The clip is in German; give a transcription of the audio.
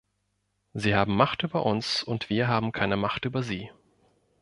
Sie haben Macht über uns, und wir haben keine Macht über sie.